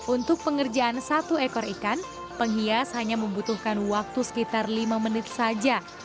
untuk pengerjaan satu ekor ikan penghias hanya membutuhkan waktu sekitar lima menit saja